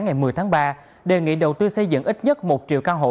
ngày một mươi tháng ba đề nghị đầu tư xây dựng ít nhất một triệu căn hộ